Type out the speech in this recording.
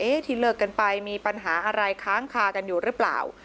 ที่เลิกกันไปมีปัญหาอะไรค้างคากันอยู่หรือเปล่า